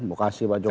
mau kasih pak jokowi